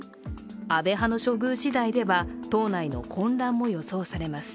安倍派の処遇しだいでは党内の混乱も予想されます。